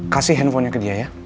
kasih handphonenya ke dia ya